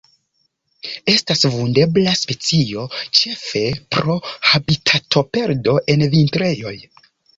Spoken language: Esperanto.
Estas vundebla specio ĉefe pro habitatoperdo en vintrejoj.